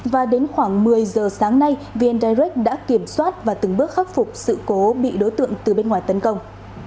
và đến khoảng một mươi giờ sáng nay vn direct đã kiểm soát và từng bước khắc phục sự cố bị đối tượng từ bên ngoài tấn công